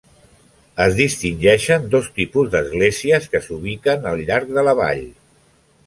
Es distingeixen dos tipus d'esglésies que s'ubiquen al llarg de la vall.